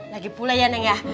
lagi pula ya neng ya